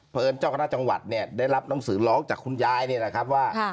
เพราะเอิญเจ้าคณะจังหวัดเนี่ยได้รับหนังสือร้องจากคุณยายนี่แหละครับว่า